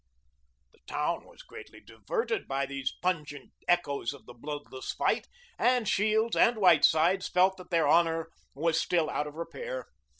] The town was greatly diverted by these pungent echoes of the bloodless fight, and Shields and Whitesides felt that their honor was still out of repair.